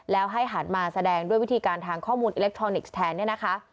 แล้วให้หันมาแสดงด้วยวิธีการทางข้อมูลอิเล็กทรอนิกส์แทนเนี่ยนะคะ